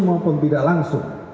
maupun tidak langsung